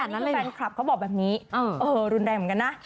นั้นแฟนคลับเขาบอกแบบนี้รุนแรงเหมือนกันนะ